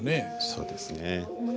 そうですね。